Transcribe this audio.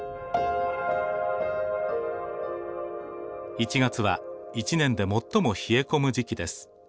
１月は１年で最も冷え込む時期です。